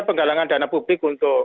penggalangan dana publik untuk